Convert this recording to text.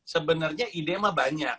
sebenarnya ide emang banyak